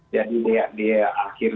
jadi dia di akhir